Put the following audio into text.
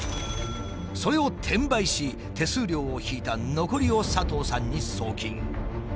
それを転売し手数料を引いた残りを佐藤さんに送金。